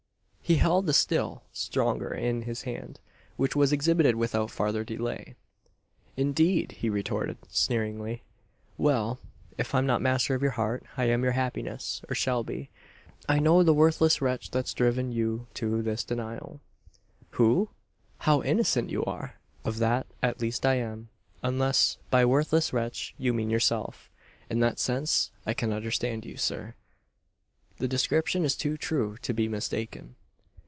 He held a still stronger in his hand; which was exhibited without farther delay. "Indeed!" he retorted, sneeringly. "Well; if I'm not master of your heart, I am of your happiness or shall be. I know the worthless wretch that's driven you to this denial " "Who?" "How innocent you are!" "Of that at least I am; unless by worthless wretch you mean yourself. In that sense I can understand you, sir. The description is too true to be mistaken."